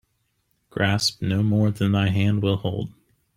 Grasp no more than thy hand will hold